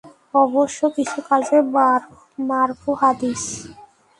অবশ্য কিছু আছে মারফূ হাদীস।